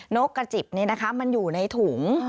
นกกระจิบนี่นะคะมันอยู่ในถุง